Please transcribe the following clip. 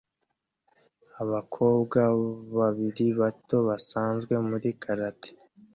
Abakobwa babiri bato basanzwe muri karate